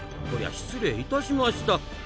こりゃ失礼いたしました。